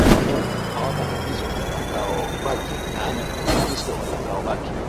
awapa tatizo watakaobaki yaani wakristo watakaobaki